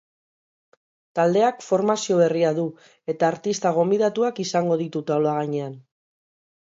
Taldeak formazio berria du eta artista gonbidatuak izango ditu taula gainean.